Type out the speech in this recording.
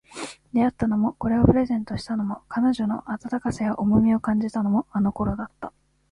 出会ったのも、これをプレゼントしたのも、彼女の温かさや重みを感じたのも、あの頃だった